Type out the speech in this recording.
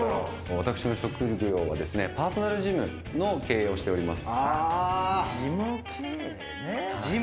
私の職業はパーソナルジムの経営をしております。